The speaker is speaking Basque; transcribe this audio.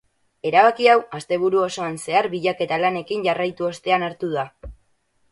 Erabaki hau asteburu osoan zehar bilaketa lanekin jarraitu ostean hartu da.